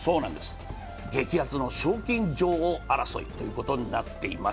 激熱の賞金女王争いになっています。